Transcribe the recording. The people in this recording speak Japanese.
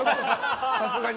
さすがに。